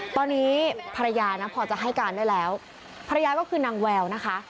ตอนนี้ภรรยานะพอจะให้การได้แล้วภรรยาก็คือนางแววนะคะ